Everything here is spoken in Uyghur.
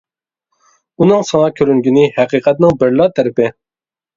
ئۇنىڭ ساڭا كۆرۈنگىنى ھەقىقەتنىڭ بىرلا تەرىپى.